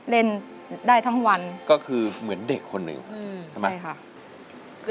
เล่นได้ทั้งวันก็คือเหมือนเด็กคนหนึ่งอืมทำไมใช่ค่ะ